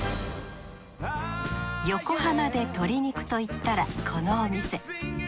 横浜で鶏肉といったらこのお店。